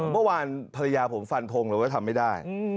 เมื่อวานภรรยาผมฟั่นพงว่าทำไม่ได้